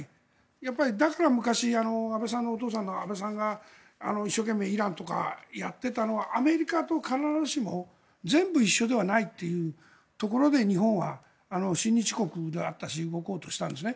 やっぱりだから昔安倍さんのお父さんの安倍さんが一生懸命、イランとかやっていたのはアメリカと必ずしも全部一緒ではないというところで日本は、親日国であったし動こうとしたんですね。